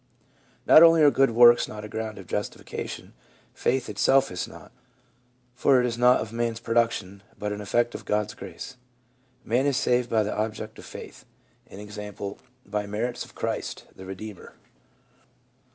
Not only are good works not a ground of justification, faith itself is not ; for it is not of man's production, but an effect of God's grace. Man is saved by the " object of faith," i. e., by the merits of Christ, the Eedeemer.